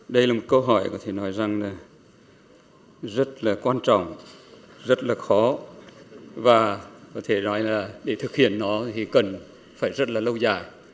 đây là một câu hỏi rất quan trọng rất khó và để thực hiện nó cần rất lâu dài